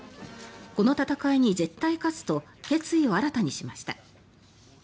この戦いに絶対勝つと決意を新たにしました。